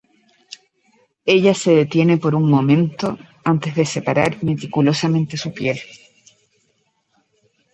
Ella se detiene por un momento, antes de separar meticulosamente su piel.